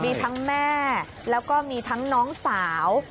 มีทั้งแม่แล้วก็มีทั้งน้องสาว